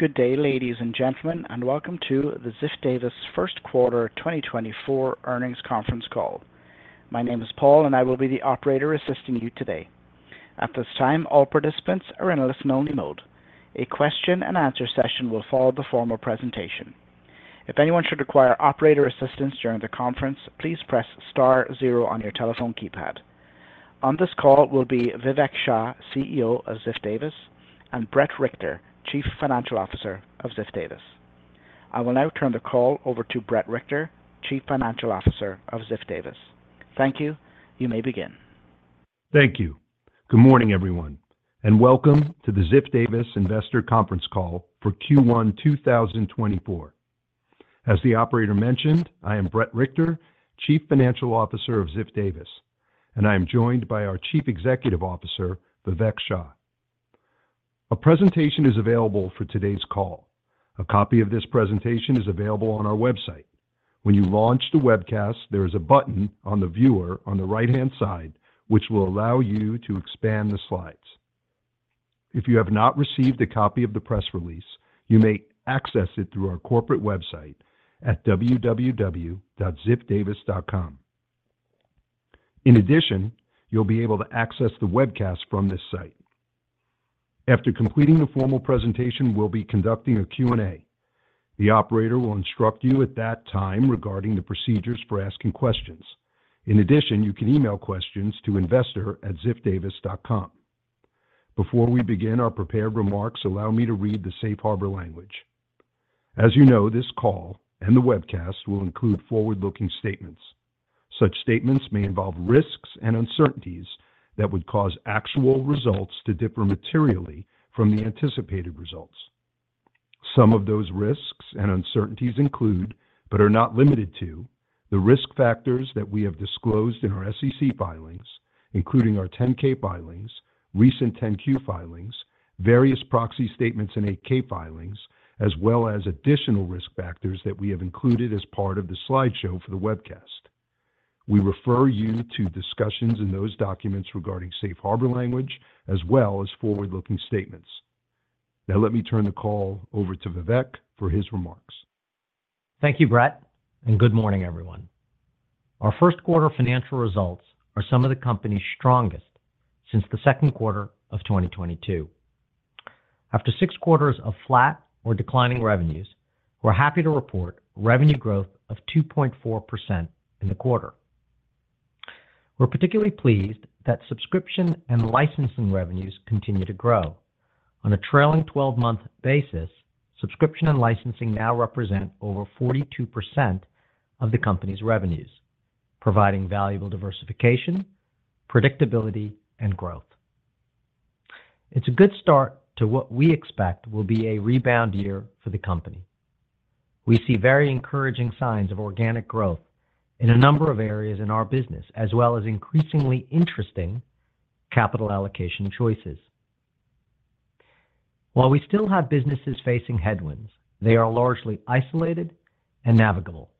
Good day, ladies and gentlemen, and welcome to the Ziff Davis First Quarter 2024 earnings conference call. My name is Paul, and I will be the operator assisting you today. At this time, all participants are in listen-only mode. A question-and-answer session will follow the formal presentation. If anyone should require operator assistance during the conference, please press star zero on your telephone keypad. On this call will be Vivek Shah, CEO of Ziff Davis, and Bret Richter, Chief Financial Officer of Ziff Davis. I will now turn the call over to Bret Richter, Chief Financial Officer of Ziff Davis. Thank you. You may begin. Thank you. Good morning, everyone, and welcome to the Ziff Davis investor conference call for Q1 2024. As the operator mentioned, I am Bret Richter, Chief Financial Officer of Ziff Davis, and I am joined by our Chief Executive Officer, Vivek Shah. A presentation is available for today's call. A copy of this presentation is available on our website. When you launch the webcast, there is a button on the viewer on the right-hand side which will allow you to expand the slides. If you have not received a copy of the press release, you may access it through our corporate website at www.ziffdavis.com. In addition, you'll be able to access the webcast from this site. After completing the formal presentation, we'll be conducting a Q&A. The operator will instruct you at that time regarding the procedures for asking questions. In addition, you can email questions to investor@ziffdavis.com. Before we begin, our prepared remarks allow me to read the Safe Harbor language. As you know, this call and the webcast will include forward-looking statements. Such statements may involve risks and uncertainties that would cause actual results to differ materially from the anticipated results. Some of those risks and uncertainties include, but are not limited to, the risk factors that we have disclosed in our SEC filings, including our 10-K filings, recent 10-Q filings, various proxy statements in 8-K filings, as well as additional risk factors that we have included as part of the slideshow for the webcast. We refer you to discussions in those documents regarding Safe Harbor language as well as forward-looking statements. Now let me turn the call over to Vivek for his remarks. Thank you, Bret, and good morning, everyone. Our first quarter financial results are some of the company's strongest since the second quarter of 2022. After six quarters of flat or declining revenues, we're happy to report revenue growth of 2.4% in the quarter. We're particularly pleased that subscription and licensing revenues continue to grow. On a trailing 12-month basis, subscription and licensing now represent over 42% of the company's revenues, providing valuable diversification, predictability, and growth. It's a good start to what we expect will be a rebound year for the company. We see very encouraging signs of organic growth in a number of areas in our business, as well as increasingly interesting capital allocation choices. While we still have businesses facing headwinds, they are largely isolated and navigable.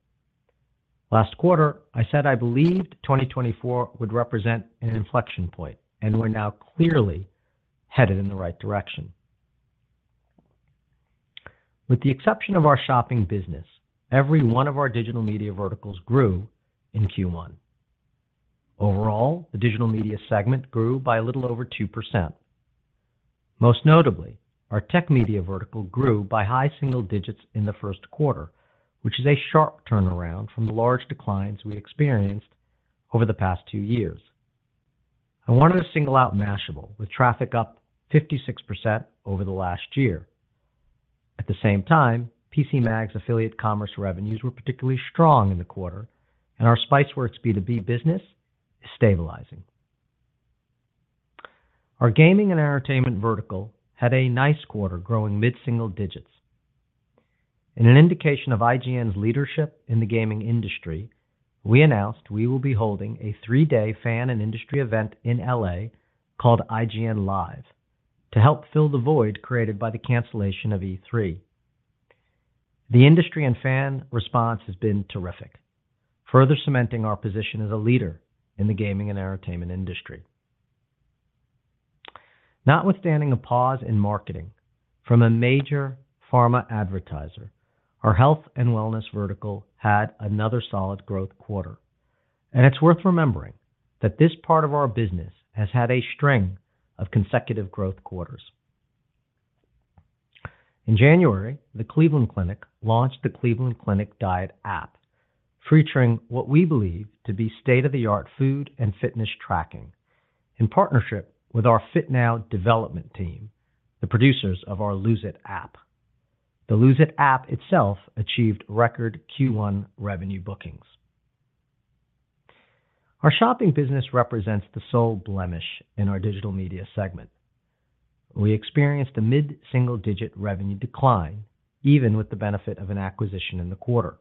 Last quarter, I said I believed 2024 would represent an inflection point, and we're now clearly headed in the right direction. With the exception of our shopping business, every one of our digital media verticals grew in Q1. Overall, the digital media segment grew by a little over 2%. Most notably, our tech media vertical grew by high single digits in the first quarter, which is a sharp turnaround from the large declines we experienced over the past two years. I wanted to single out Mashable, with traffic up 56% over the last year. At the same time, PCMag's affiliate commerce revenues were particularly strong in the quarter, and our Spiceworks B2B business is stabilizing. Our gaming and entertainment vertical had a nice quarter, growing mid-single digits. In an indication of IGN's leadership in the gaming industry, we announced we will be holding a three-day fan and industry event in LA called IGN Live to help fill the void created by the cancellation of E3. The industry and fan response has been terrific, further cementing our position as a leader in the gaming and entertainment industry. Notwithstanding a pause in marketing from a major pharma advertiser, our health and wellness vertical had another solid growth quarter. It's worth remembering that this part of our business has had a string of consecutive growth quarters. In January, the Cleveland Clinic launched the Cleveland Clinic Diet app, featuring what we believe to be state-of-the-art food and fitness tracking in partnership with our FitNow development team, the producers of our Lose It app. The Lose It app itself achieved record Q1 revenue bookings. Our shopping business represents the sole blemish in our digital media segment. We experienced a mid-single digit revenue decline, even with the benefit of an acquisition in the quarter.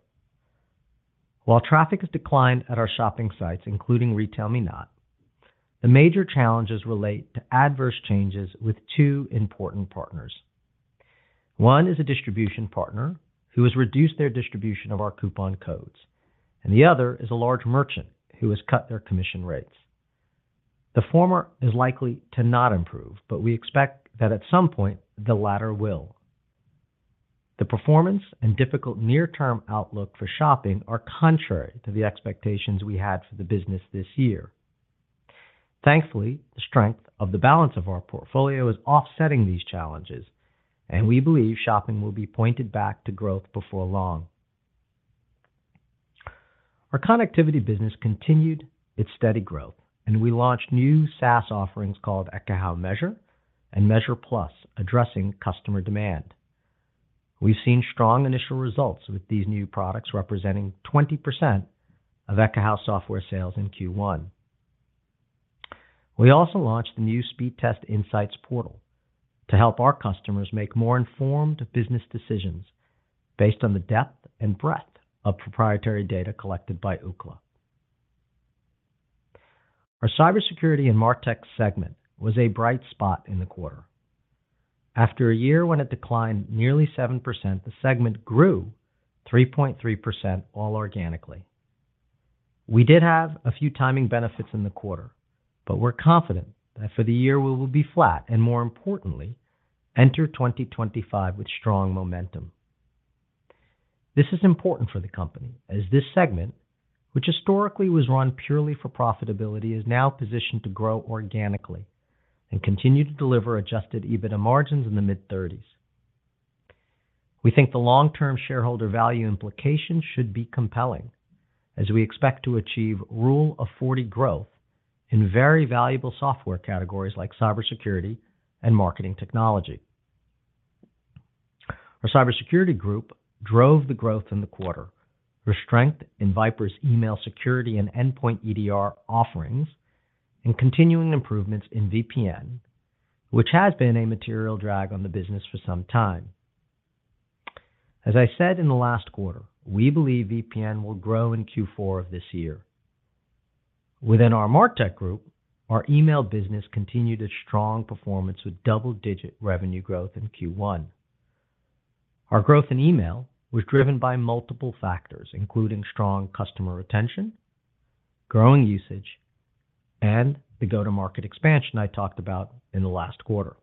While traffic has declined at our shopping sites, including RetailMeNot, the major challenges relate to adverse changes with two important partners. One is a distribution partner who has reduced their distribution of our coupon codes, and the other is a large merchant who has cut their commission rates. The former is likely to not improve, but we expect that at some point the latter will. The performance and difficult near-term outlook for shopping are contrary to the expectations we had for the business this year. Thankfully, the strength of the balance of our portfolio is offsetting these challenges, and we believe shopping will be pointed back to growth before long. Our connectivity business continued its steady growth, and we launched new SaaS offerings called Ekahau Measure and Measure Plus, addressing customer demand. We've seen strong initial results with these new products representing 20% of Ekahau software sales in Q1. We also launched the new Speedtest Insights portal to help our customers make more informed business decisions based on the depth and breadth of proprietary data collected by Ookla. Our cybersecurity and MarTech segment was a bright spot in the quarter. After a year when it declined nearly 7%, the segment grew 3.3% all organically. We did have a few timing benefits in the quarter, but we're confident that for the year we will be flat and, more importantly, enter 2025 with strong momentum. This is important for the company, as this segment, which historically was run purely for profitability, is now positioned to grow organically and continue to deliver adjusted EBITDA margins in the mid-30s. We think the long-term shareholder value implications should be compelling, as we expect to achieve Rule of 40 growth in very valuable software categories like cybersecurity and marketing technology. Our cybersecurity group drove the growth in the quarter, with strength in VIPRE's email security and endpoint EDR offerings and continuing improvements in VPN, which has been a material drag on the business for some time. As I said in the last quarter, we believe VPN will grow in Q4 of this year. Within our MarTech group, our email business continued its strong performance with double-digit revenue growth in Q1. Our growth in email was driven by multiple factors, including strong customer retention, growing usage, and the go-to-market expansion I talked about in the last quarter.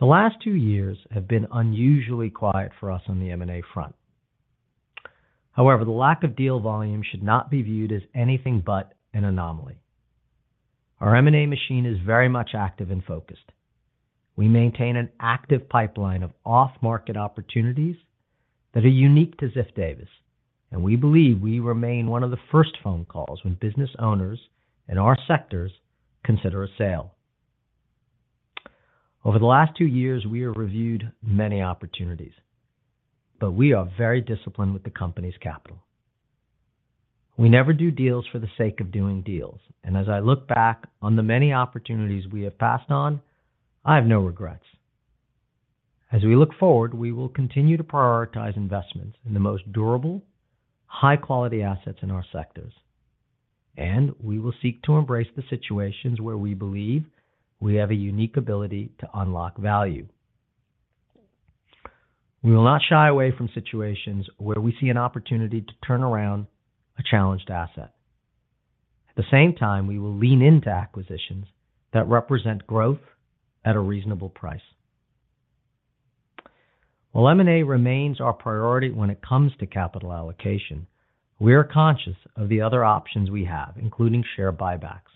The last two years have been unusually quiet for us on the M&A front. However, the lack of deal volume should not be viewed as anything but an anomaly. Our M&A machine is very much active and focused. We maintain an active pipeline of off-market opportunities that are unique to Ziff Davis, and we believe we remain one of the first phone calls when business owners in our sectors consider a sale. Over the last two years, we have reviewed many opportunities, but we are very disciplined with the company's capital. We never do deals for the sake of doing deals, and as I look back on the many opportunities we have passed on, I have no regrets. As we look forward, we will continue to prioritize investments in the most durable, high-quality assets in our sectors, and we will seek to embrace the situations where we believe we have a unique ability to unlock value. We will not shy away from situations where we see an opportunity to turn around a challenged asset. At the same time, we will lean into acquisitions that represent growth at a reasonable price. While M&A remains our priority when it comes to capital allocation, we are conscious of the other options we have, including share buybacks.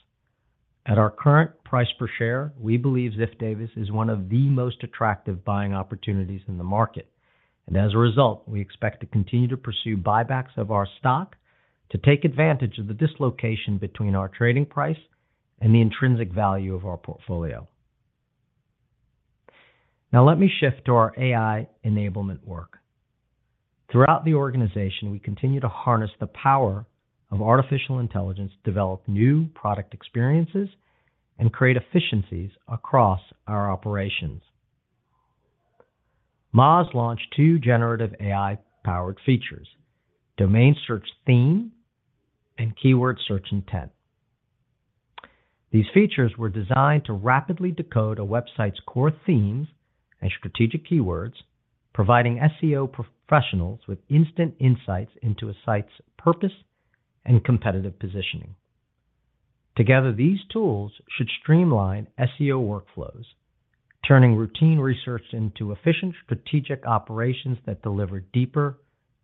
At our current price per share, we believe Ziff Davis is one of the most attractive buying opportunities in the market, and as a result, we expect to continue to pursue buybacks of our stock to take advantage of the dislocation between our trading price and the intrinsic value of our portfolio. Now let me shift to our AI enablement work. Throughout the organization, we continue to harness the power of artificial intelligence to develop new product experiences and create efficiencies across our operations. Moz launched two generative AI-powered features: domain search theme and keyword search intent. These features were designed to rapidly decode a website's core themes and strategic keywords, providing SEO professionals with instant insights into a site's purpose and competitive positioning. Together, these tools should streamline SEO workflows, turning routine research into efficient strategic operations that deliver deeper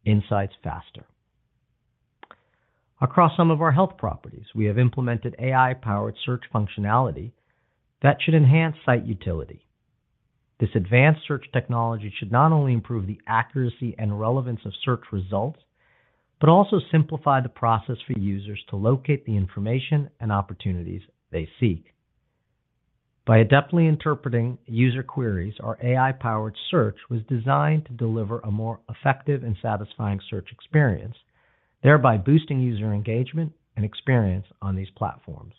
insights faster. Across some of our health properties, we have implemented AI-powered search functionality that should enhance site utility. This advanced search technology should not only improve the accuracy and relevance of search results but also simplify the process for users to locate the information and opportunities they seek. By adeptly interpreting user queries, our AI-powered search was designed to deliver a more effective and satisfying search experience, thereby boosting user engagement and experience on these platforms.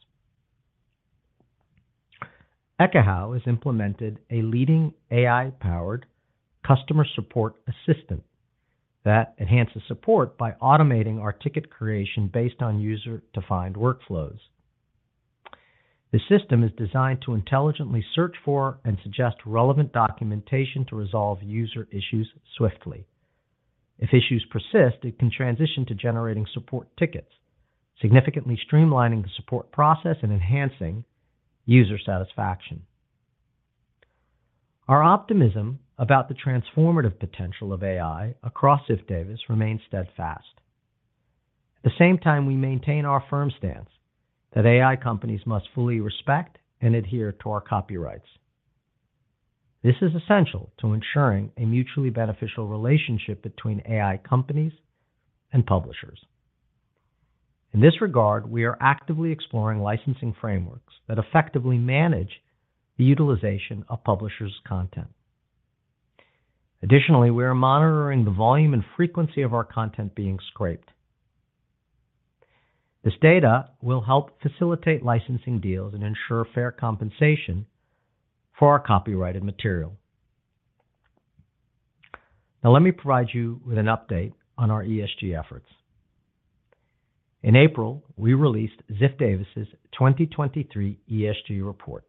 Ekahau has implemented a leading AI-powered customer support assistant that enhances support by automating our ticket creation based on user-defined workflows. The system is designed to intelligently search for and suggest relevant documentation to resolve user issues swiftly. If issues persist, it can transition to generating support tickets, significantly streamlining the support process and enhancing user satisfaction. Our optimism about the transformative potential of AI across Ziff Davis remains steadfast. At the same time, we maintain our firm stance that AI companies must fully respect and adhere to our copyrights. This is essential to ensuring a mutually beneficial relationship between AI companies and publishers. In this regard, we are actively exploring licensing frameworks that effectively manage the utilization of publishers' content. Additionally, we are monitoring the volume and frequency of our content being scraped. This data will help facilitate licensing deals and ensure fair compensation for our copyrighted material. Now let me provide you with an update on our ESG efforts. In April, we released Ziff Davis's 2023 ESG report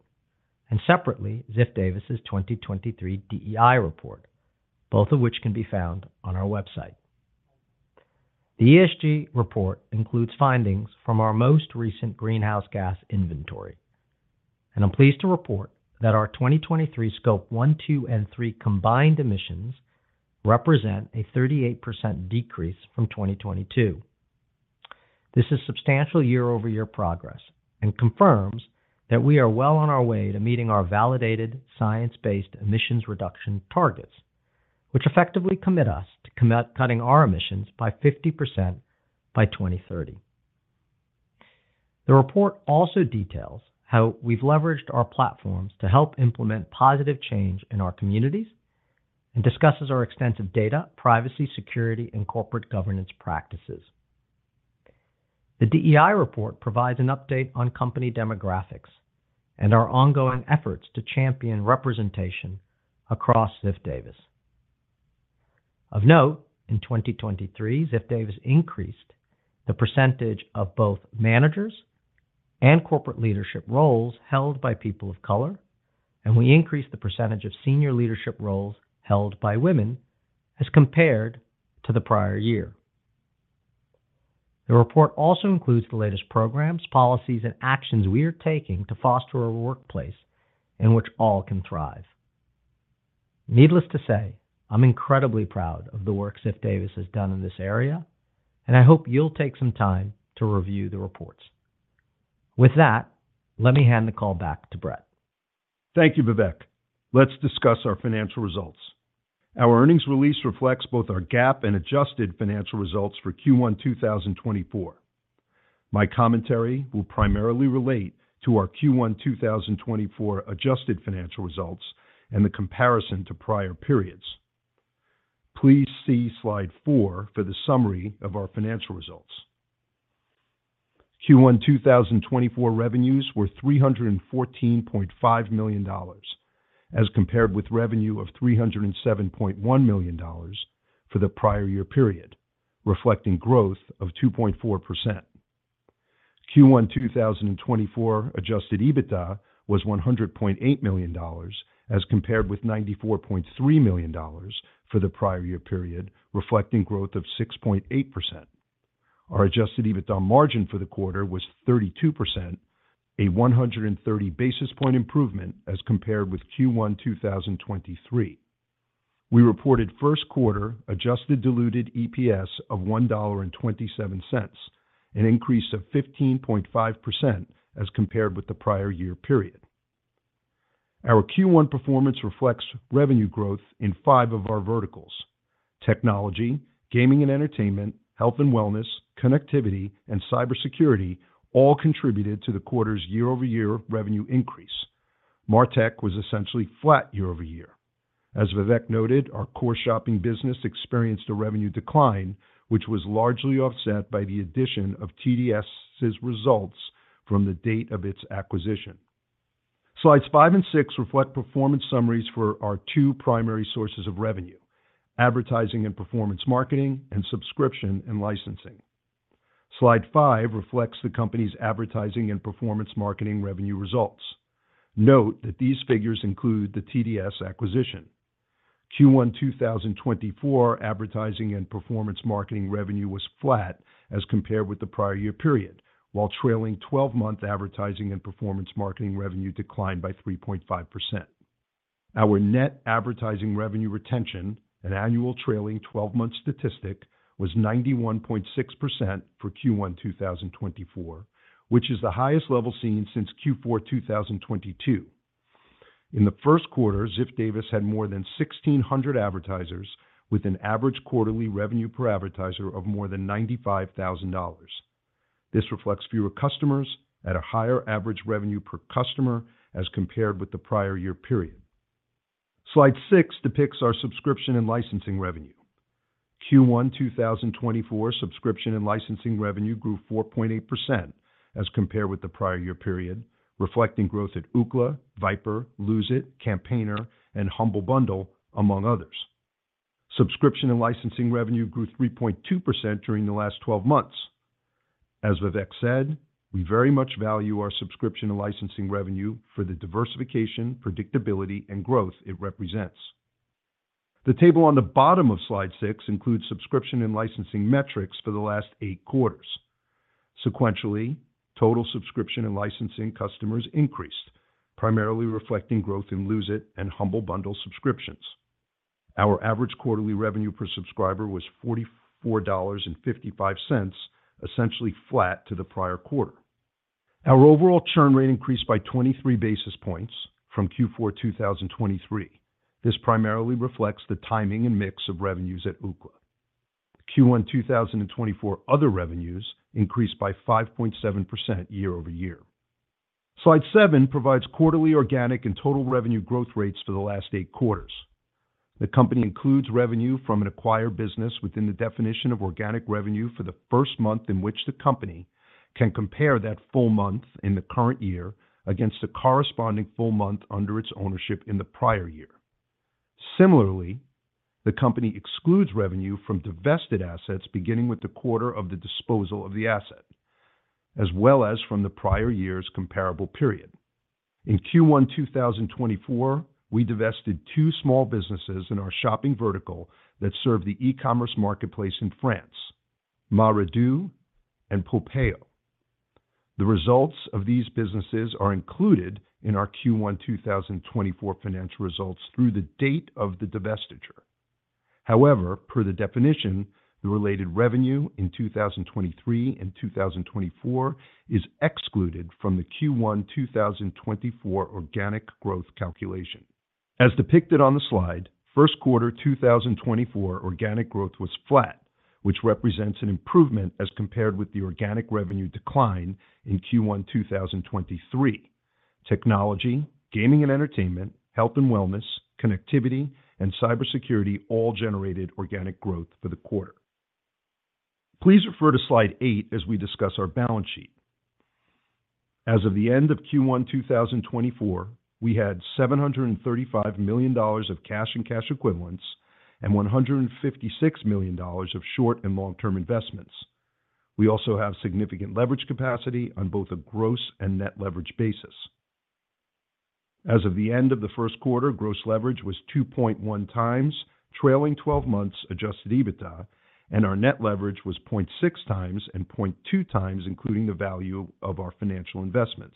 and separately Ziff Davis's 2023 DEI report, both of which can be found on our website. The ESG report includes findings from our most recent greenhouse gas inventory, and I'm pleased to report that our 2023 Scope 1, 2, and 3 combined emissions represent a 38% decrease from 2022. This is substantial year-over-year progress and confirms that we are well on our way to meeting our validated science-based emissions reduction targets, which effectively commit us to cutting our emissions by 50% by 2030. The report also details how we've leveraged our platforms to help implement positive change in our communities and discusses our extensive data, privacy, security, and corporate governance practices. The DEI report provides an update on company demographics and our ongoing efforts to champion representation across Ziff Davis. Of note, in 2023, Ziff Davis increased the percentage of both managers and corporate leadership roles held by people of color, and we increased the percentage of senior leadership roles held by women as compared to the prior year. The report also includes the latest programs, policies, and actions we are taking to foster a workplace in which all can thrive. Needless to say, I'm incredibly proud of the work Ziff Davis has done in this area, and I hope you'll take some time to review the reports. With that, let me hand the call back to Bret. Thank you, Vivek. Let's discuss our financial results. Our earnings release reflects both our GAAP and adjusted financial results for Q1 2024. My commentary will primarily relate to our Q1 2024 adjusted financial results and the comparison to prior periods. Please see Slide 4 for the summary of our financial results. Q1 2024 revenues were $314.5 million as compared with revenue of $307.1 million for the prior year period, reflecting growth of 2.4%. Q1 2024 adjusted EBITDA was $100.8 million as compared with $94.3 million for the prior year period, reflecting growth of 6.8%. Our adjusted EBITDA margin for the quarter was 32%, a 130 basis point improvement as compared with Q1 2023. We reported first quarter adjusted diluted EPS of $1.27, an increase of 15.5% as compared with the prior year period. Our Q1 performance reflects revenue growth in five of our verticals: technology, gaming and entertainment, health and wellness, connectivity, and cybersecurity, all contributed to the quarter's year-over-year revenue increase. MarTech was essentially flat year-over-year. As Vivek noted, our core shopping business experienced a revenue decline, which was largely offset by the addition of TDS's results from the date of its acquisition. Slides 5 and 6 reflect performance summaries for our two primary sources of revenue: advertising and performance marketing, and subscription and licensing. Slide 5 reflects the company's advertising and performance marketing revenue results. Note that these figures include the TDS acquisition. Q1 2024 advertising and performance marketing revenue was flat as compared with the prior year period, while trailing 12-month advertising and performance marketing revenue declined by 3.5%. Our net advertising revenue retention, an annual trailing 12-month statistic, was 91.6% for Q1 2024, which is the highest level seen since Q4 2022. In the first quarter, Ziff Davis had more than 1,600 advertisers, with an average quarterly revenue per advertiser of more than $95,000. This reflects fewer customers at a higher average revenue per customer as compared with the prior year period. Slide 6 depicts our subscription and licensing revenue. Q1 2024 subscription and licensing revenue grew 4.8% as compared with the prior year period, reflecting growth at Ookla, VIPRE, Lucid, Campaigner, and Humble Bundle, among others. Subscription and licensing revenue grew 3.2% during the last 12 months. As Vivek said, we very much value our subscription and licensing revenue for the diversification, predictability, and growth it represents. The table on the bottom of Slide 6 includes subscription and licensing metrics for the last 8 quarters. Sequentially, total subscription and licensing customers increased, primarily reflecting growth in Lucid and Humble Bundle subscriptions. Our average quarterly revenue per subscriber was $44.55, essentially flat to the prior quarter. Our overall churn rate increased by 23 basis points from Q4 2023. This primarily reflects the timing and mix of revenues at Ookla. Q1 2024 other revenues increased by 5.7% year-over-year. Slide 7 provides quarterly organic and total revenue growth rates for the last 8 quarters. The company includes revenue from an acquired business within the definition of organic revenue for the first month in which the company can compare that full month in the current year against a corresponding full month under its ownership in the prior year. Similarly, the company excludes revenue from divested assets beginning with the quarter of the disposal of the asset, as well as from the prior year's comparable period. In Q1 2024, we divested 2 small businesses in our shopping vertical that serve the e-commerce marketplace in France: Ma Reduc and Poulpeo. The results of these businesses are included in our Q1 2024 financial results through the date of the divestiture. However, per the definition, the related revenue in 2023 and 2024 is excluded from the Q1 2024 organic growth calculation. As depicted on the slide, first quarter 2024 organic growth was flat, which represents an improvement as compared with the organic revenue decline in Q1 2023. Technology, gaming and entertainment, health and wellness, connectivity, and cybersecurity all generated organic growth for the quarter. Please refer to Slide 8 as we discuss our balance sheet. As of the end of Q1 2024, we had $735 million of cash and cash equivalents and $156 million of short and long-term investments. We also have significant leverage capacity on both a gross and net leverage basis. As of the end of the first quarter, gross leverage was 2.1x, trailing 12 months adjusted EBITDA, and our net leverage was 0.6x and 0.2x, including the value of our financial investments.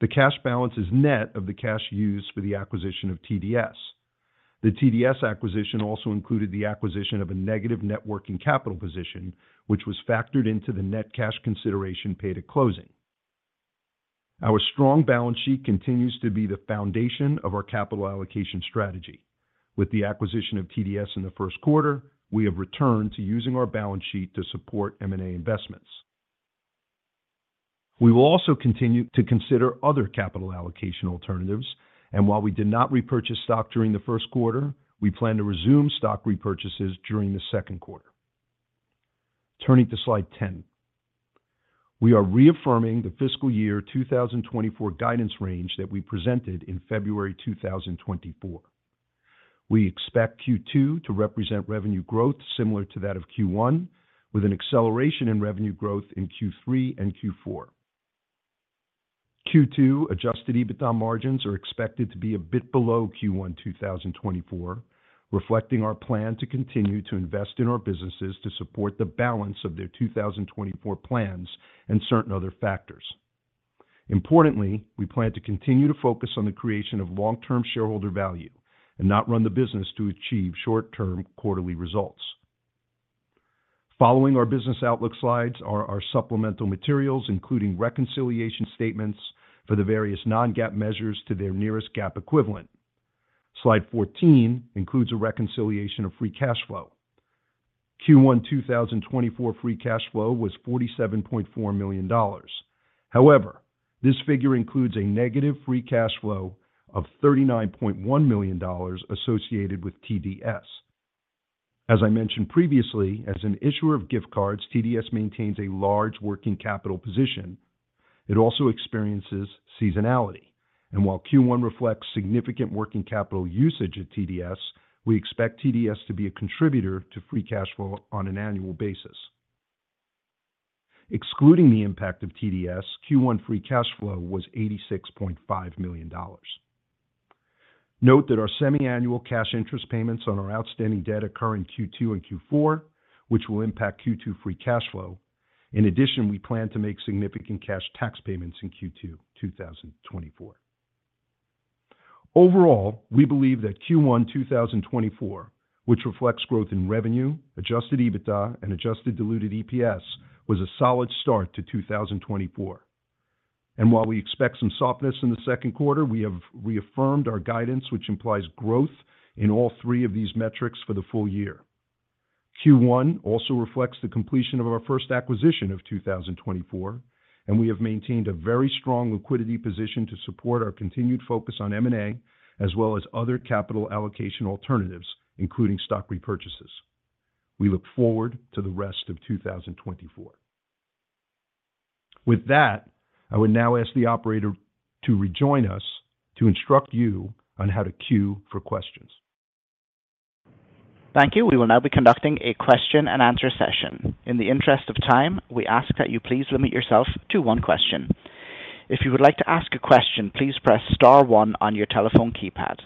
The cash balance is net of the cash used for the acquisition of TDS. The TDS acquisition also included the acquisition of a negative net working capital position, which was factored into the net cash consideration paid at closing. Our strong balance sheet continues to be the foundation of our capital allocation strategy. With the acquisition of TDS in the first quarter, we have returned to using our balance sheet to support M&A investments. We will also continue to consider other capital allocation alternatives, and while we did not repurchase stock during the first quarter, we plan to resume stock repurchases during the second quarter. Turning to Slide 10, we are reaffirming the fiscal year 2024 guidance range that we presented in February 2024. We expect Q2 to represent revenue growth similar to that of Q1, with an acceleration in revenue growth in Q3 and Q4. Q2 Adjusted EBITDA margins are expected to be a bit below Q1 2024, reflecting our plan to continue to invest in our businesses to support the balance of their 2024 plans and certain other factors. Importantly, we plan to continue to focus on the creation of long-term shareholder value and not run the business to achieve short-term quarterly results. Following our business outlook slides are our supplemental materials, including reconciliation statements for the various non-GAAP measures to their nearest GAAP equivalent. Slide 14 includes a reconciliation of free cash flow. Q1 2024 free cash flow was $47.4 million. However, this figure includes a negative free cash flow of $39.1 million associated with TDS. As I mentioned previously, as an issuer of gift cards, TDS maintains a large working capital position. It also experiences seasonality, and while Q1 reflects significant working capital usage at TDS, we expect TDS to be a contributor to free cash flow on an annual basis. Excluding the impact of TDS, Q1 free cash flow was $86.5 million. Note that our semi-annual cash interest payments on our outstanding debt occur in Q2 and Q4, which will impact Q2 free cash flow. In addition, we plan to make significant cash tax payments in Q2 2024. Overall, we believe that Q1 2024, which reflects growth in revenue, Adjusted EBITDA, and Adjusted Diluted EPS, was a solid start to 2024. While we expect some softness in the second quarter, we have reaffirmed our guidance, which implies growth in all three of these metrics for the full year. Q1 also reflects the completion of our first acquisition of 2024, and we have maintained a very strong liquidity position to support our continued focus on M&A as well as other capital allocation alternatives, including stock repurchases. We look forward to the rest of 2024. With that, I would now ask the operator to rejoin us to instruct you on how to queue for questions. Thank you. We will now be conducting a question and answer session. In the interest of time, we ask that you please limit yourself to one question. If you would like to ask a question, please press star one on your telephone keypad.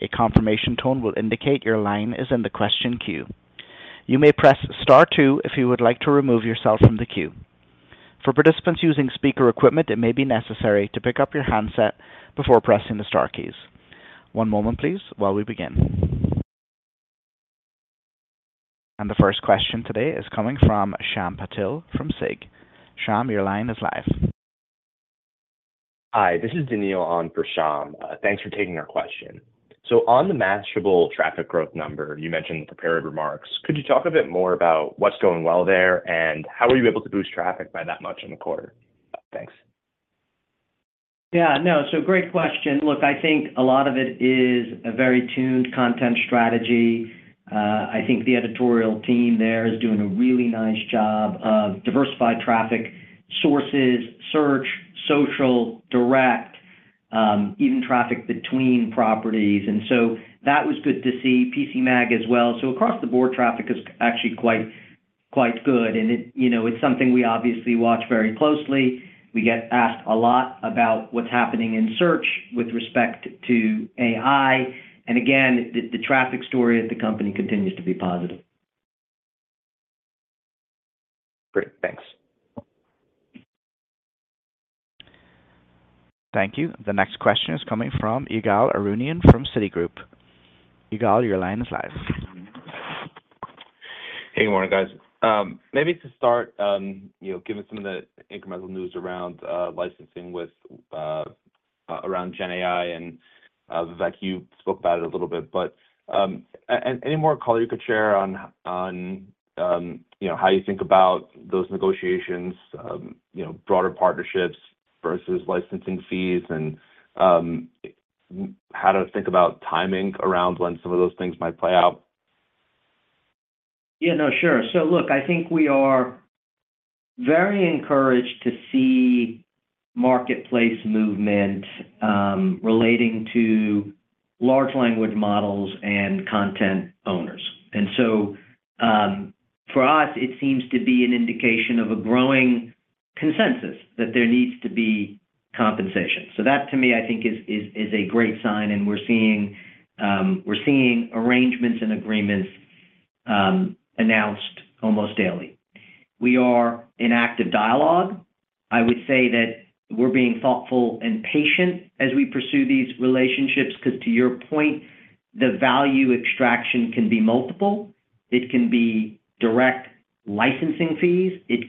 A confirmation tone will indicate your line is in the question queue. You may press star two if you would like to remove yourself from the queue. For participants using speaker equipment, it may be necessary to pick up your handset before pressing the star keys. One moment, please, while we begin. And the first question today is coming from Shyam Patil from SIG. Shyam, your line is live. Hi, this is Daniel on for Shyam. Thanks for taking our question. So on the Mashable traffic growth number, you mentioned the prepared remarks. Could you talk a bit more about what's going well there, and how were you able to boost traffic by that much in the quarter? Thanks. Yeah. No, so great question. Look, I think a lot of it is a very tuned content strategy. I think the editorial team there is doing a really nice job of diversified traffic sources, search, social, direct, even traffic between properties. And so that was good to see, PCMag as well. So across the board, traffic is actually quite good, and it's something we obviously watch very closely. We get asked a lot about what's happening in search with respect to AI. And again, the traffic story at the company continues to be positive. Great. Thanks. Thank you. The next question is coming from Ygal Arounian from Citigroup. Ygal, your line is live. Hey, morning, guys. Maybe to start, given some of the incremental news around licensing around GenAI and Vivek, you spoke about it a little bit, but any more color you could share on how you think about those negotiations, broader partnerships versus licensing fees, and how to think about timing around when some of those things might play out? Yeah. No, sure. So look, I think we are very encouraged to see marketplace movement relating to large language models and content owners. So for us, it seems to be an indication of a growing consensus that there needs to be compensation. So that, to me, I think is a great sign, and we're seeing arrangements and agreements announced almost daily. We are in active dialogue. I would say that we're being thoughtful and patient as we pursue these relationships because, to your point, the value extraction can be multiple. It can be direct licensing fees. It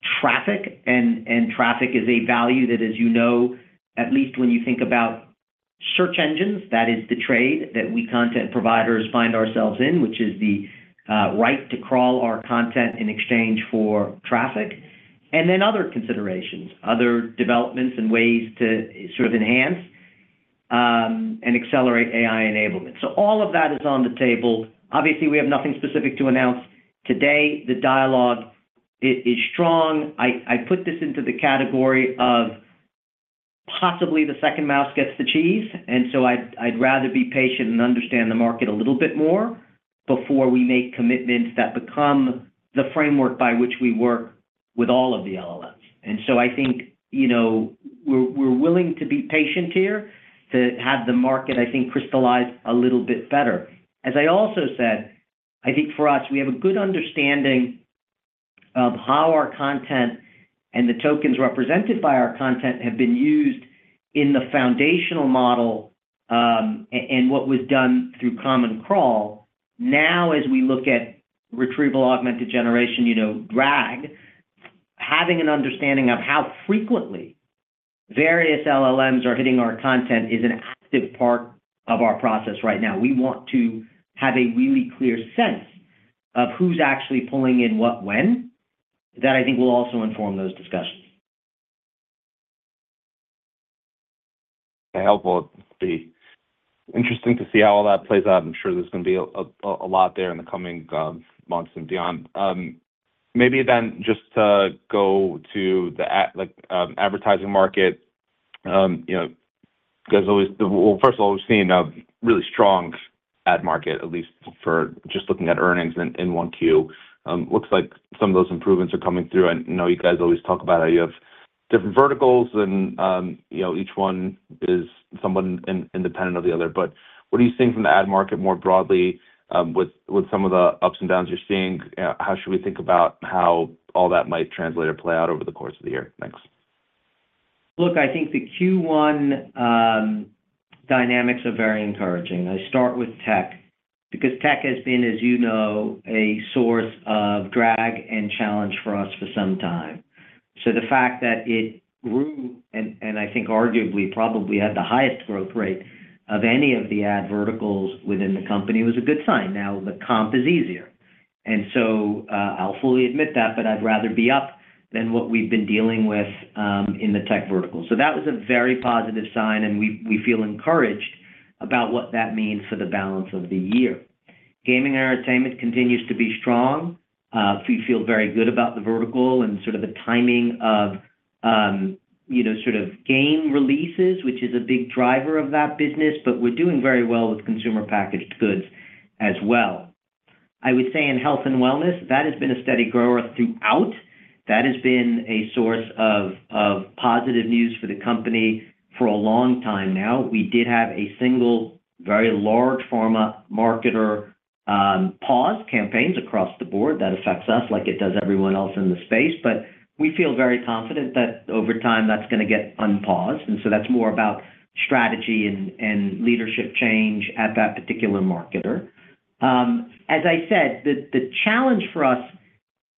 can be traffic, and traffic is a value that, as you know, at least when you think about search engines, that is the trade that we content providers find ourselves in, which is the right to crawl our content in exchange for traffic, and then other considerations, other developments and ways to sort of enhance and accelerate AI enablement. So all of that is on the table. Obviously, we have nothing specific to announce today. The dialogue is strong. I put this into the category of possibly the second mouse gets the cheese, and so I'd rather be patient and understand the market a little bit more before we make commitments that become the framework by which we work with all of the LLMs. And so I think we're willing to be patient here to have the market, I think, crystallize a little bit better. As I also said, I think for us, we have a good understanding of how our content and the tokens represented by our content have been used in the foundational model and what was done through common crawl. Now, as we look at retrieval augmented generation, RAG, having an understanding of how frequently various LLMs are hitting our content is an active part of our process right now. We want to have a really clear sense of who's actually pulling in what when that I think will also inform those discussions. Helpful. It'd be interesting to see how all that plays out. I'm sure there's going to be a lot there in the coming months and beyond. Maybe then just to go to the advertising market, you guys always well, first of all, we've seen a really strong ad market, at least for just looking at earnings in 1Q. Looks like some of those improvements are coming through. I know you guys always talk about how you have different verticals, and each one is somewhat independent of the other. But what are you seeing from the ad market more broadly with some of the ups and downs you're seeing? How should we think about how all that might translate or play out over the course of the year? Thanks. Look, I think the Q1 dynamics are very encouraging. I start with tech because tech has been, as you know, a source of RAG and challenge for us for some time. So the fact that it grew and I think arguably probably had the highest growth rate of any of the ad verticals within the company was a good sign. Now, the comp is easier. And so I'll fully admit that, but I'd rather be up than what we've been dealing with in the tech vertical. So that was a very positive sign, and we feel encouraged about what that means for the balance of the year. Gaming and entertainment continues to be strong. We feel very good about the vertical and sort of the timing of sort of game releases, which is a big driver of that business, but we're doing very well with consumer packaged goods as well. I would say in health and wellness, that has been a steady grower throughout. That has been a source of positive news for the company for a long time now. We did have a single very large pharma marketer pause campaigns across the board. That affects us like it does everyone else in the space, but we feel very confident that over time, that's going to get unpaused. And so that's more about strategy and leadership change at that particular marketer. As I said, the challenge for us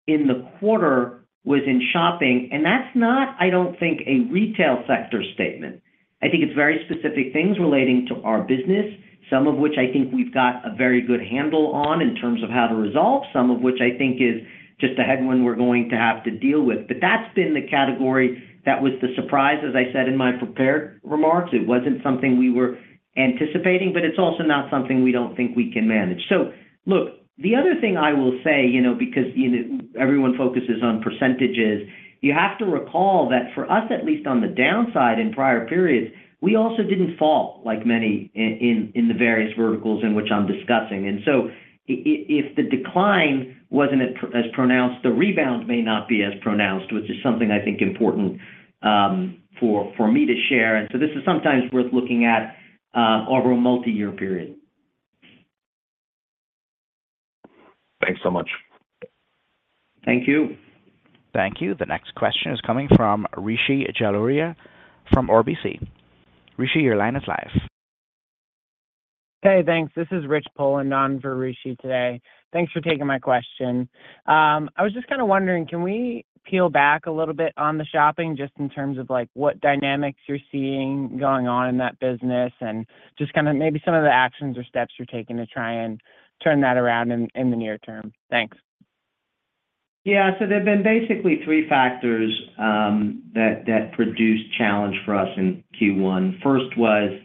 in the quarter was in shopping, and that's not, I don't think, a retail sector statement. I think it's very specific things relating to our business, some of which I think we've got a very good handle on in terms of how to resolve, some of which I think is just a headwind we're going to have to deal with. But that's been the category that was the surprise, as I said in my prepared remarks. It wasn't something we were anticipating, but it's also not something we don't think we can manage. So look, the other thing I will say because everyone focuses on percentages, you have to recall that for us, at least on the downside in prior periods, we also didn't fall like many in the various verticals in which I'm discussing. And so if the decline wasn't as pronounced, the rebound may not be as pronounced, which is something I think important for me to share. This is sometimes worth looking at over a multi-year period. Thanks so much. Thank you. Thank you. The next question is coming from Rishi Jaluria from RBC. Rishi, your line is live. Hey, thanks. This is Rich Poland on for Rishi today. Thanks for taking my question. I was just kind of wondering, can we peel back a little bit on the shopping just in terms of what dynamics you're seeing going on in that business and just kind of maybe some of the actions or steps you're taking to try and turn that around in the near term? Thanks. Yeah. So there have been basically three factors that produced challenge for us in Q1. First was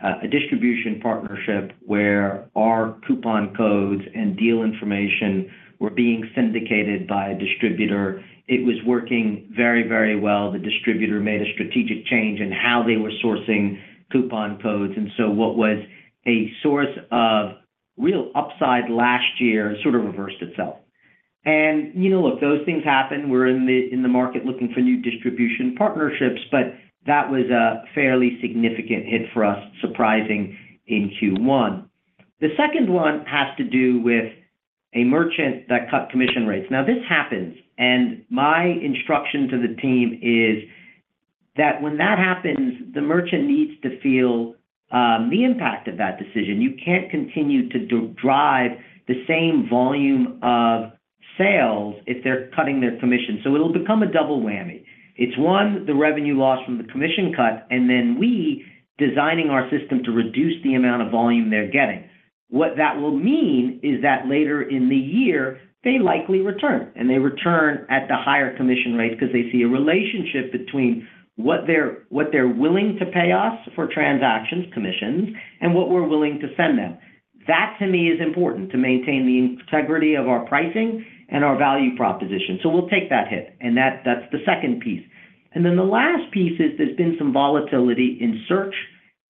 a distribution partnership where our coupon codes and deal information were being syndicated by a distributor. It was working very, very well. The distributor made a strategic change in how they were sourcing coupon codes. And so what was a source of real upside last year sort of reversed itself. And look, those things happen. We're in the market looking for new distribution partnerships, but that was a fairly significant hit for us, surprising, in Q1. The second one has to do with a merchant that cut commission rates. Now, this happens, and my instruction to the team is that when that happens, the merchant needs to feel the impact of that decision. You can't continue to drive the same volume of sales if they're cutting their commission. So it'll become a double whammy. It's, one, the revenue lost from the commission cut, and then we designing our system to reduce the amount of volume they're getting. What that will mean is that later in the year, they likely return, and they return at the higher commission rate because they see a relationship between what they're willing to pay us for transactions, commissions, and what we're willing to send them. That, to me, is important to maintain the integrity of our pricing and our value proposition. So we'll take that hit, and that's the second piece. And then the last piece is there's been some volatility in search.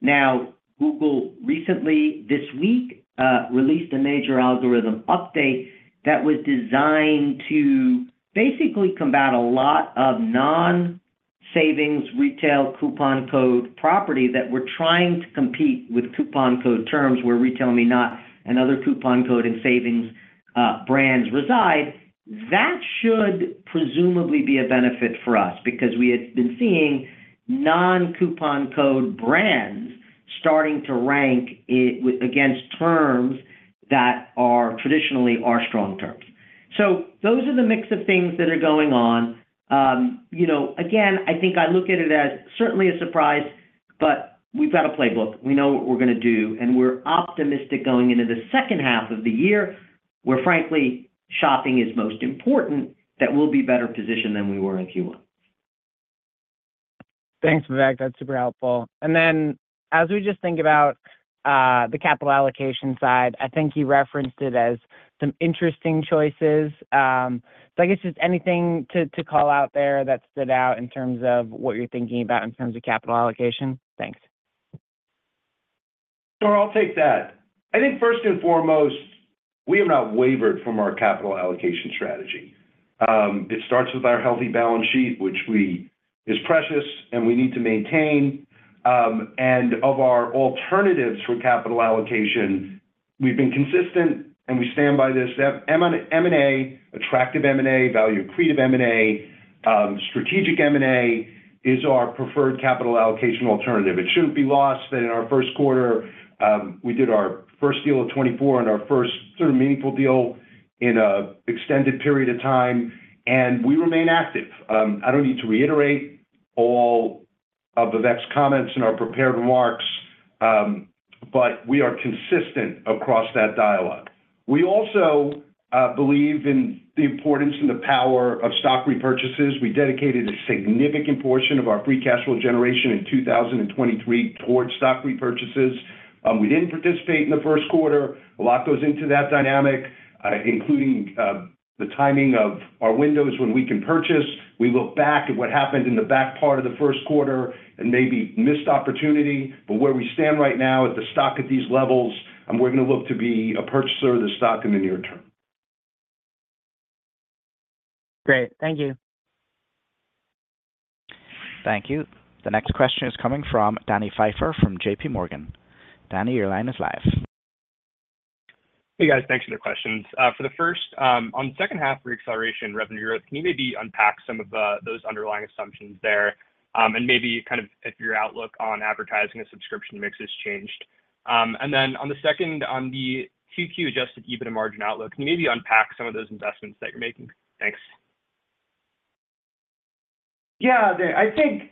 Now, Google recently, this week, released a major algorithm update that was designed to basically combat a lot of non-savings retail coupon code property that we're trying to compete with coupon code terms where RetailMeNot and other coupon code and savings brands reside. That should presumably be a benefit for us because we had been seeing non-coupon code brands starting to rank against terms that traditionally are strong terms. So those are the mix of things that are going on. Again, I think I look at it as certainly a surprise, but we've got a playbook. We know what we're going to do, and we're optimistic going into the second half of the year where, frankly, shopping is most important. That we'll be better positioned than we were in Q1. Thanks, Vivek. That's super helpful. And then as we just think about the capital allocation side, I think you referenced it as some interesting choices. So I guess just anything to call out there that stood out in terms of what you're thinking about in terms of capital allocation? Thanks. Sure. I'll take that. I think first and foremost, we have not wavered from our capital allocation strategy. It starts with our healthy balance sheet, which is precious and we need to maintain. Of our alternatives for capital allocation, we've been consistent, and we stand by this. M&A, attractive M&A, value accretive M&A, strategic M&A is our preferred capital allocation alternative. It shouldn't be lost that in our first quarter, we did our first deal of 2024 and our first sort of meaningful deal in an extended period of time, and we remain active. I don't need to reiterate all of Vivek's comments in our prepared remarks, but we are consistent across that dialogue. We also believe in the importance and the power of stock repurchases. We dedicated a significant portion of our free cash flow generation in 2023 towards stock repurchases. We didn't participate in the first quarter. A lot goes into that dynamic, including the timing of our windows when we can purchase. We look back at what happened in the back part of the first quarter and maybe missed opportunity. But where we stand right now at the stock at these levels, we're going to look to be a purchaser of the stock in the near term. Great. Thank you. Thank you. The next question is coming from Daniel Pfeiffer from J.P. Morgan. Danny, your line is live. Hey, guys. Thanks for the questions. For the first, on the second half for acceleration revenue growth, can you maybe unpack some of those underlying assumptions there and maybe kind of your outlook on advertising and subscription mixes changed? And then on the second, on the QQ Adjusted EBITDA margin outlook, can you maybe unpack some of those investments that you're making? Thanks. Yeah. I think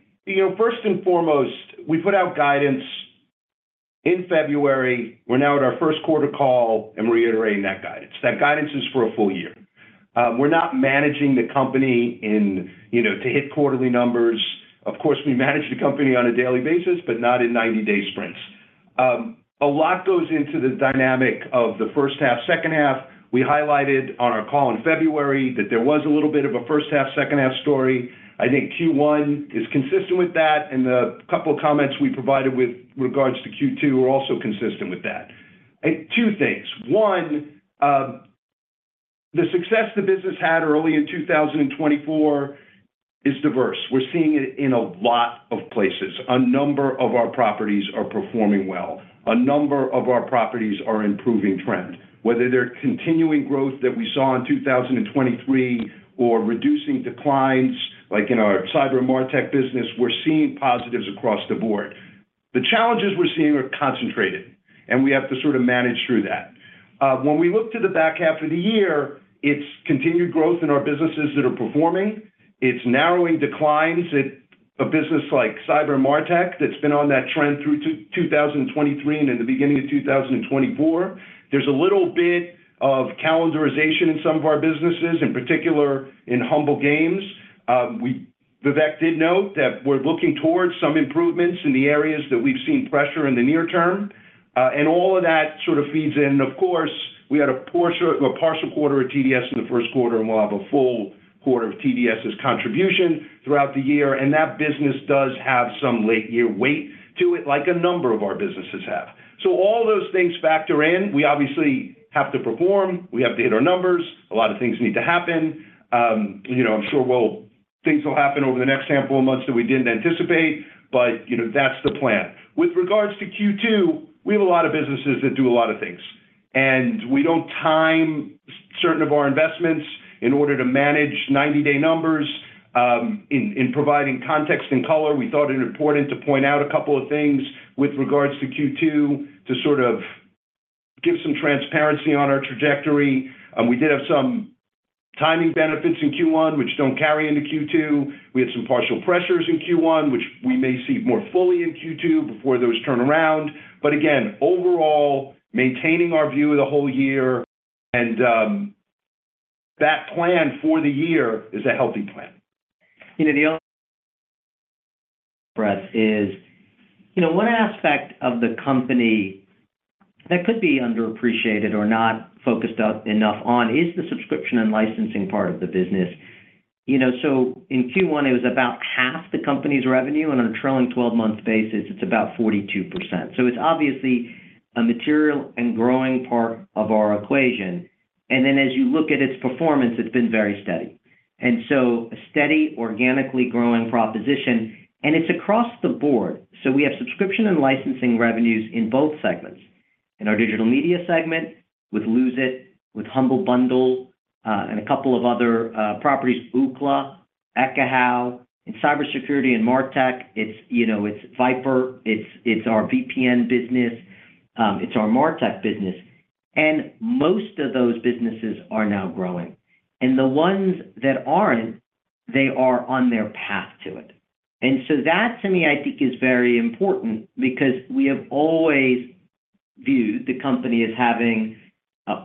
first and foremost, we put out guidance in February. We're now at our first quarter call and reiterating that guidance. That guidance is for a full year. We're not managing the company to hit quarterly numbers. Of course, we manage the company on a daily basis, but not in 90-day sprints. A lot goes into the dynamic of the first half, second half. We highlighted on our call in February that there was a little bit of a first half, second half story. I think Q1 is consistent with that, and the couple of comments we provided with regards to Q2 are also consistent with that. Two things. One, the success the business had early in 2024 is diverse. We're seeing it in a lot of places. A number of our properties are performing well. A number of our properties are improving trend, whether they're continuing growth that we saw in 2023 or reducing declines like in our cyber MarTech business. We're seeing positives across the board. The challenges we're seeing are concentrated, and we have to sort of manage through that. When we look to the back half of the year, it's continued growth in our businesses that are performing. It's narrowing declines at a business like cyber MarTech that's been on that trend through 2023 and in the beginning of 2024. There's a little bit of calendarization in some of our businesses, in particular in Humble Games. Vivek did note that we're looking towards some improvements in the areas that we've seen pressure in the near term, and all of that sort of feeds in. Of course, we had a partial quarter of TDS in the first quarter, and we'll have a full quarter of TDS's contribution throughout the year. That business does have some late-year weight to it like a number of our businesses have. All those things factor in. We obviously have to perform. We have to hit our numbers. A lot of things need to happen. I'm sure things will happen over the next handful of months that we didn't anticipate, but that's the plan. With regards to Q2, we have a lot of businesses that do a lot of things, and we don't time certain of our investments in order to manage 90-day numbers. In providing context and color, we thought it important to point out a couple of things with regards to Q2 to sort of give some transparency on our trajectory. We did have some timing benefits in Q1 which don't carry into Q2. We had some pricing pressures in Q1 which we may see more fully in Q2 before those turn around. But again, overall, maintaining our view of the whole year and that plan for the year is a healthy plan. The only positive is one aspect of the company that could be underappreciated or not focused enough on is the subscription and licensing part of the business. So in Q1, it was about half the company's revenue, and on a trailing 12-month basis, it's about 42%. So it's obviously a material and growing part of our equation. And then as you look at its performance, it's been very steady, and so a steady, organically growing proposition. And it's across the board. So we have subscription and licensing revenues in both segments: in our digital media segment with Lose It!, with Humble Bundle, and a couple of other properties, Ookla, Ekahau. In cybersecurity and MarTech, it's VIPRE. It's our VPN business. It's our MarTech business. And most of those businesses are now growing. And the ones that aren't, they are on their path to it. And so that, to me, I think is very important because we have always viewed the company as having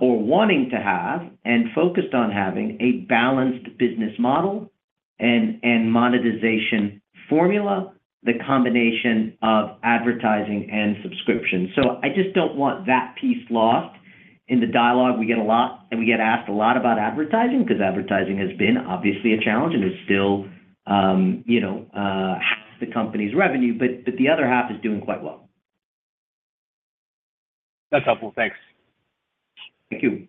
or wanting to have and focused on having a balanced business model and monetization formula, the combination of advertising and subscription. So I just don't want that piece lost in the dialogue. We get a lot, and we get asked a lot about advertising because advertising has been obviously a challenge and is still half the company's revenue. But the other half is doing quite well. That's helpful. Thanks. Thank you.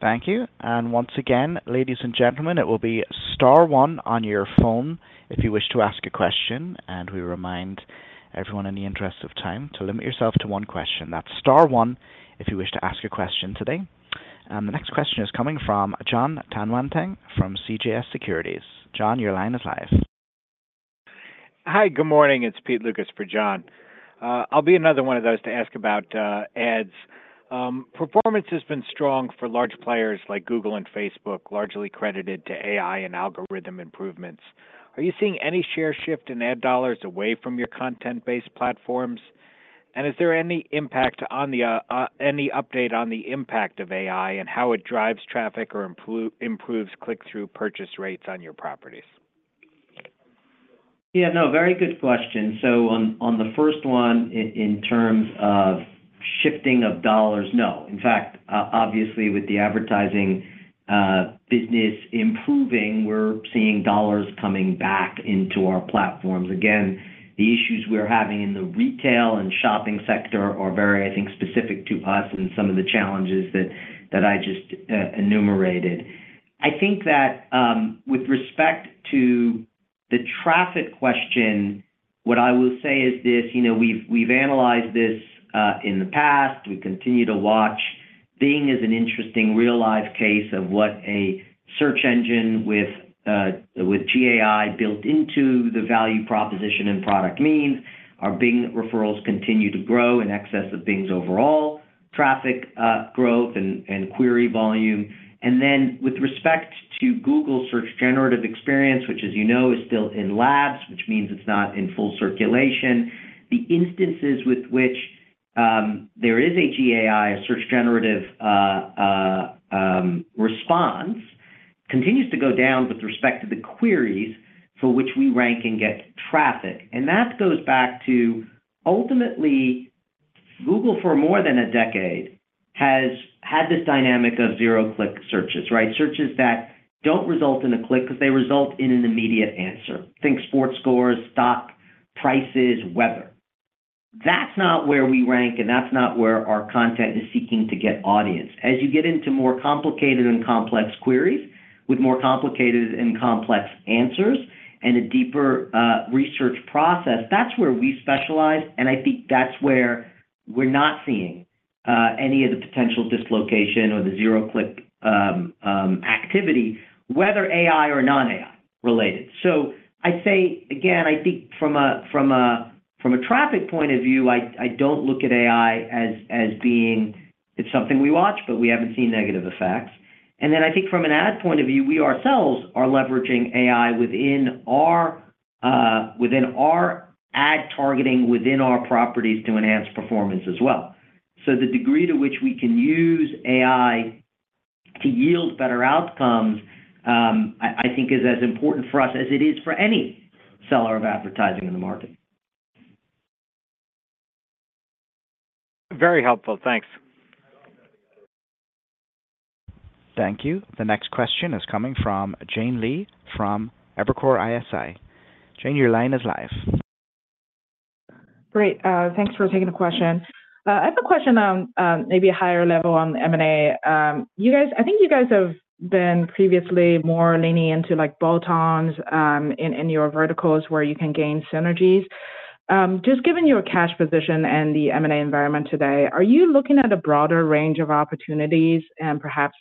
Thank you. And once again, ladies and gentlemen, it will be star one on your phone if you wish to ask a question. And we remind everyone in the interest of time to limit yourself to one question. That's star one if you wish to ask a question today. And the next question is coming from John Tanwanteng from CJS Securities. John, your line is live. Hi. Good morning. It's Pete Lucas for John. I'll be another one of those to ask about ads. Performance has been strong for large players like Google and Facebook, largely credited to AI and algorithm improvements. Are you seeing any share shift in ad dollars away from your content-based platforms? And is there any impact? Any update on the impact of AI and how it drives traffic or improves click-through purchase rates on your properties? Yeah. No. Very good question. So on the first one, in terms of shifting of dollars, no. In fact, obviously, with the advertising business improving, we're seeing dollars coming back into our platforms. Again, the issues we're having in the retail and shopping sector are very, I think, specific to us and some of the challenges that I just enumerated. I think that with respect to the traffic question, what I will say is this: we've analyzed this in the past. We continue to watch. Bing is an interesting real-life case of what a search engine with GAI built into the value proposition and product means. Our Bing referrals continue to grow in excess of Bing's overall traffic growth and query volume. Then with respect to Google's Search Generative Experience, which, as you know, is still in labs, which means it's not in full circulation, the instances with which there is a GAI, a search generative response, continues to go down with respect to the queries for which we rank and get traffic. And that goes back to ultimately, Google, for more than a decade, has had this dynamic of zero-click searches, right? Searches that don't result in a click because they result in an immediate answer. Think sports scores, stock prices, weather. That's not where we rank, and that's not where our content is seeking to get audience. As you get into more complicated and complex queries with more complicated and complex answers and a deeper research process, that's where we specialize. And I think that's where we're not seeing any of the potential dislocation or the zero-click activity, whether AI or non-AI related. So I'd say, again, I think from a traffic point of view, I don't look at AI as being it's something we watch, but we haven't seen negative effects. And then I think from an ad point of view, we ourselves are leveraging AI within our ad targeting within our properties to enhance performance as well. So the degree to which we can use AI to yield better outcomes, I think, is as important for us as it is for any seller of advertising in the market. Very helpful. Thanks. Thank you. The next question is coming from Jian Li from Evercore ISI. Jian, your line is live. Great. Thanks for taking the question. I have a question on maybe a higher level on the M&A. I think you guys have been previously more leaning into bolt-ons in your verticals where you can gain synergies. Just given your cash position and the M&A environment today, are you looking at a broader range of opportunities and perhaps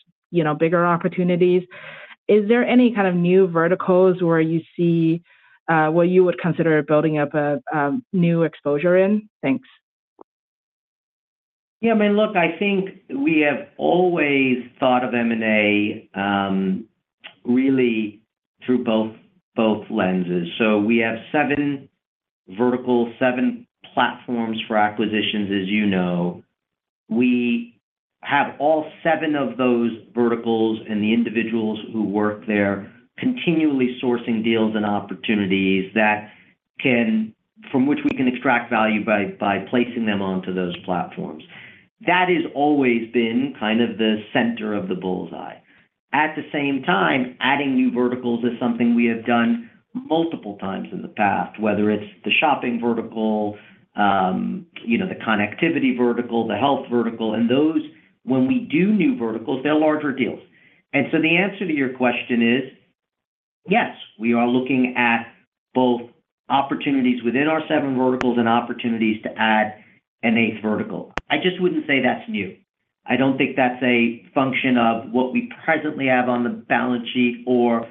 bigger opportunities? Is there any kind of new verticals where you see what you would consider building up a new exposure in? Thanks. Yeah. I mean, look, I think we have always thought of M&A really through both lenses. So we have seven verticals, seven platforms for acquisitions, as you know. We have all seven of those verticals and the individuals who work there continually sourcing deals and opportunities from which we can extract value by placing them onto those platforms. That has always been kind of the center of the bull's eye. At the same time, adding new verticals is something we have done multiple times in the past, whether it's the shopping vertical, the connectivity vertical, the health vertical. When we do new verticals, they're larger deals. So the answer to your question is, yes, we are looking at both opportunities within our seven verticals and opportunities to add an eighth vertical. I just wouldn't say that's new. I don't think that's a function of what we presently have on the balance sheet or what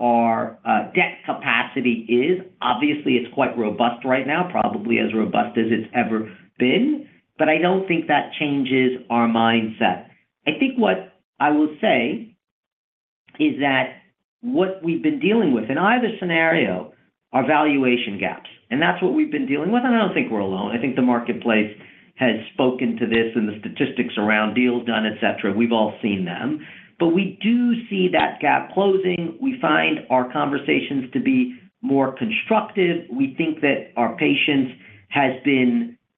our debt capacity is. Obviously, it's quite robust right now, probably as robust as it's ever been. But I don't think that changes our mindset. I think what I will say is that what we've been dealing with in either scenario are valuation gaps. That's what we've been dealing with. I don't think we're alone. I think the marketplace has spoken to this and the statistics around deals done, etc. We've all seen them. But we do see that gap closing. We find our conversations to be more constructive. We think that our patience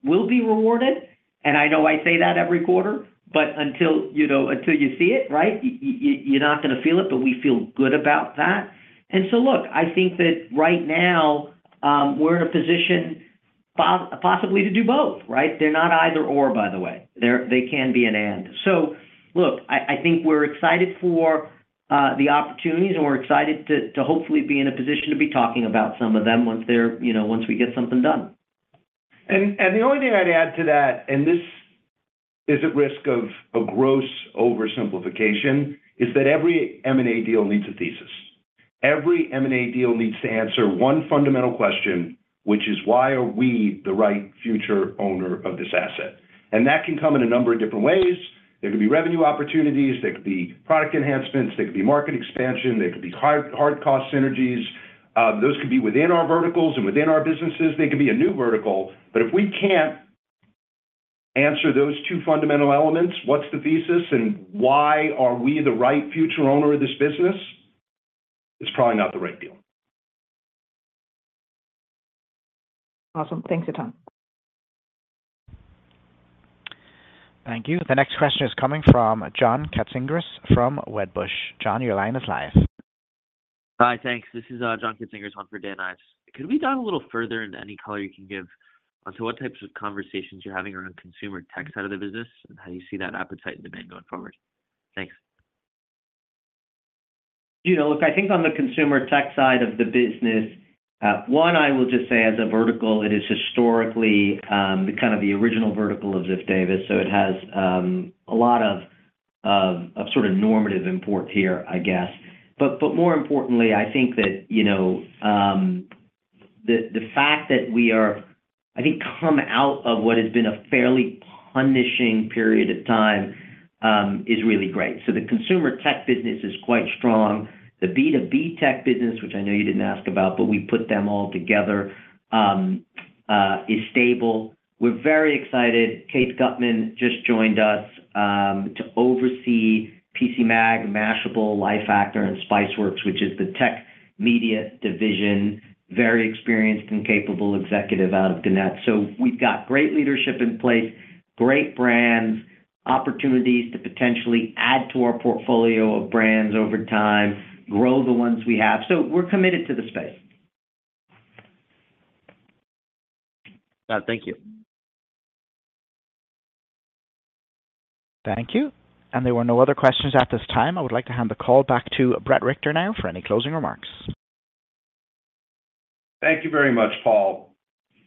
will be rewarded. And I know I say that every quarter, but until you see it, right, you're not going to feel it. But we feel good about that. And so look, I think that right now, we're in a position possibly to do both, right? They're not either/or, by the way. They can be an and. So look, I think we're excited for the opportunities, and we're excited to hopefully be in a position to be talking about some of them once we get something done. And the only thing I'd add to that, and this is at risk of a gross oversimplification, is that every M&A deal needs a thesis. Every M&A deal needs to answer one fundamental question, which is, why are we the right future owner of this asset? And that can come in a number of different ways. There could be revenue opportunities. There could be product enhancements. There could be market expansion. There could be hard-cost synergies. Those could be within our verticals and within our businesses. They could be a new vertical. But if we can't answer those two fundamental elements, what's the thesis, and why are we the right future owner of this business, it's probably not the right deal. Awesome. Thanks, Shyam. Thank you. The next question is coming from John Katsingris from Wedbush. John, your line is live. Hi. Thanks. This is John Katsingris, one for Dan Ives. Could we dive a little further into any color you can give onto what types of conversations you're having around consumer tech side of the business and how you see that appetite and demand going forward? Thanks. Look, I think on the consumer tech side of the business, one, I will just say as a vertical, it is historically kind of the original vertical of Ziff Davis. So it has a lot of sort of normative import here, I guess. But more importantly, I think that the fact that we are, I think, come out of what has been a fairly punishing period of time is really great. So the consumer tech business is quite strong. The B2B tech business, which I know you didn't ask about, but we put them all together, is stable. We're very excited. Kate Gutman just joined us to oversee PCMag, Mashable, Lifehacker, and Spiceworks, which is the tech media division, very experienced and capable executive out of Gannett. So we've got great leadership in place, great brands, opportunities to potentially add to our portfolio of brands over time, grow the ones we have. So we're committed to the space. Got it. Thank you. Thank you. There were no other questions at this time. I would like to hand the call back to Bret Richter now for any closing remarks. Thank you very much, Paul.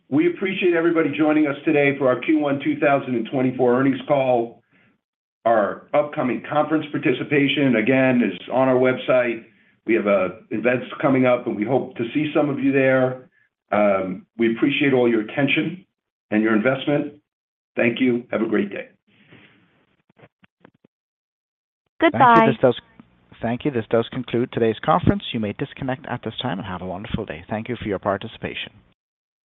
We appreciate everybody joining us today for our Q1 2024 earnings call. Our upcoming conference participation, again, is on our website. We have events coming up, and we hope to see some of you there. We appreciate all your attention and your investment. Thank you. Have a great day. Goodbye. Thank you. This does conclude today's conference. You may disconnect at this time and have a wonderful day. Thank you for your participation.